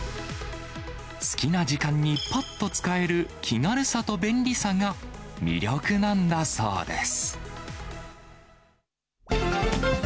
好きな時間にぱっと使える気軽さと便利さが、魅力なんだそうです。